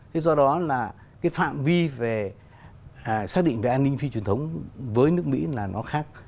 thế do đó là cái phạm vi về xác định về an ninh phi truyền thống với nước mỹ là nó khác